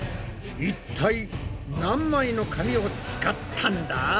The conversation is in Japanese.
いったい何枚の紙を使ったんだ？